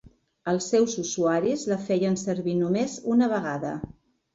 Els seus usuaris la feien servir només una vegada.